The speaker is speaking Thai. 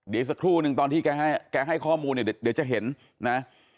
เดี๋ยวสักครู่นึงตอนที่แกให้ข้อมูลเนี่ยเดี๋ยวจะเห็นนะ